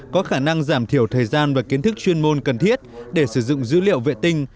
có khả năng giảm thiểu thời gian và kiến thức chuyên môn cần thiết để sử dụng dữ liệu vệ tinh